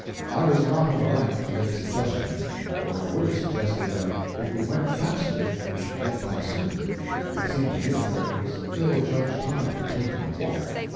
I was not of a rank to make suggestions, or I would have suggested that if we went faster we should get by sooner. It seemed to me that it was an ill judged time to be taking a walk.